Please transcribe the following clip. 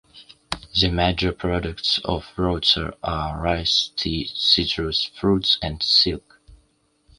The major products of Roudsar are rice, tea, citrus fruits, and silk.